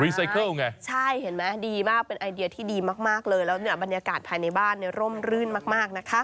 ไซเคิลไงใช่เห็นไหมดีมากเป็นไอเดียที่ดีมากเลยแล้วเนี่ยบรรยากาศภายในบ้านเนี่ยร่มรื่นมากนะคะ